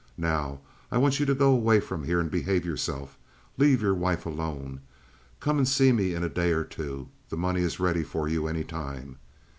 Now, I want you to go away from here and behave yourself. Leave your wife alone. Come and see me in a day or two—the money is ready for you any time."